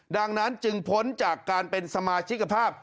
ดังนั้นจึงพ้นจากการเป็นสมาชิกภาพ